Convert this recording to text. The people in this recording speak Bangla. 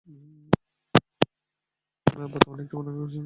পাকবিড়ায় বর্তমানে একটিও পূর্ণাঙ্গ প্রাচীন দেউল নেই।